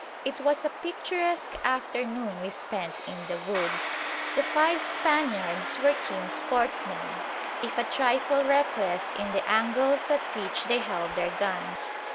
It was a picturesque afternoon we spent in the woods. The five Spaniards were keen sportsmen, if a trifle reckless in the angles at which they held their guns.